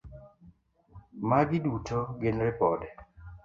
Magi duto gin ripode.